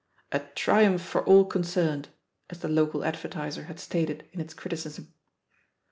"A triumph for all concerned," as the local Advertiser had stated in its criticism.